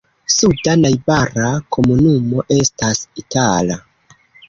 Suda najbara komunumo estas Itala.